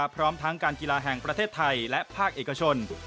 พร้อมทั้งการกีฬาแห่งประเทศไทยและภาคเอกชน